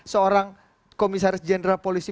seorang komisaris jeneral polisi